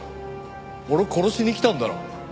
俺を殺しに来たんだろ？